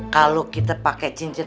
kalau kita pakai cincin